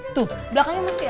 tuh belakangnya masih ada